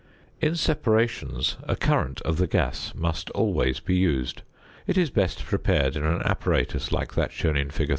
In separations, a current of the gas must always be used. It is best prepared in an apparatus like that shown in fig.